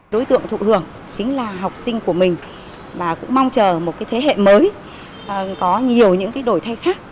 đối tượng thụ hưởng chính là học sinh của mình và cũng mong chờ một thế hệ mới có nhiều những đổi thay khác